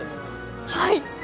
はい！